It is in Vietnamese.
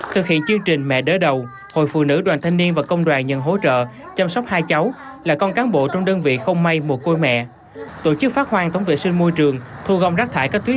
thực hiện chương trình mẹ đỡ đầu hội phụ nữ đoàn thanh niên và công đoàn nhân hỗ trợ chăm sóc hai cháu là con cán bộ trong đơn vị không may một cô mẹ